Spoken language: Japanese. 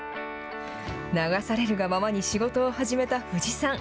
流されるがままに仕事を始めた藤さん。